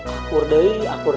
aku deh aku deh